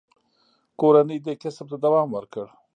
کورنۍ دې کسب ته دوام ورکړ.